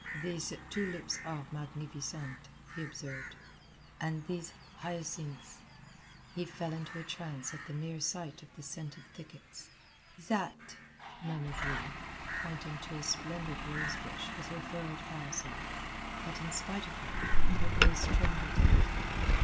"These tulips are magnificent," he observed, "and these hyacinths " He fell into a trance at the mere sight of the scented thickets. "That," murmured Rue, pointing to a splendid rose bush with her furled parasol, but in spite of her, her voice trembled a little.